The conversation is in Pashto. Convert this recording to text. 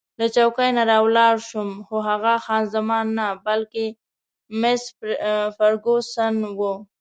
له چوکۍ نه راولاړ شوم، خو هغه خان زمان نه، بلکې مس فرګوسن وه.